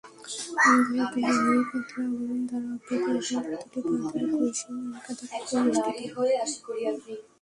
বায়ুথলি পাতলা আবরণ দ্বারা আবৃত এবং প্রতিটি বায়ুথলি কৈশিক নালিকা দ্বারা পরিবেষ্টিত।